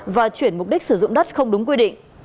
và chuyển mục đích sử dụng đất không đúng quy định